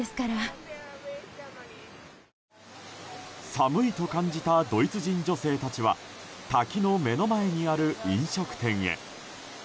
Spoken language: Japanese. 寒いと感じたドイツ人女性たちは滝の目の前にある飲食店へ。